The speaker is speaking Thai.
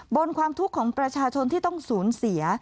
บนความทุกข์ของประชาชนที่ต้องสูญเสีย